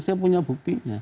saya punya buktinya